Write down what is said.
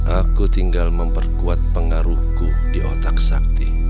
aku tinggal memperkuat pengaruhku di otak sakti